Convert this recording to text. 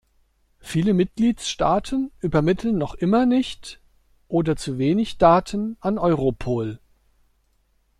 Viele Mitgliedstaaten übermitteln noch immer nicht oder zu wenig Daten an Europol.